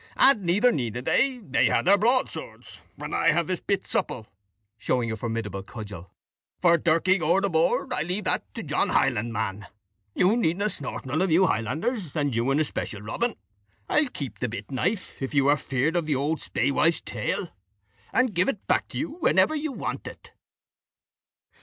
And neither needed they: they had their broadswords, and I have this bit supple," showing a formidable cudgel; "for dirking ower the board, I leave that to John Highlandman. Ye needna snort, none of you Highlanders, and you in especial, Robin. I'll keep the bit knife, if you are feared for the auld spaewife's tale, and give it back to you whenever you want it."